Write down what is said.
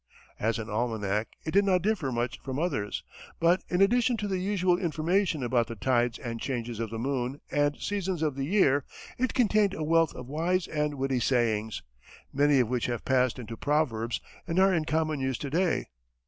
As an almanac, it did not differ much from others, but, in addition to the usual information about the tides and changes of the moon and seasons of the year, it contained a wealth of wise and witty sayings, many of which have passed into proverbs and are in common use to day.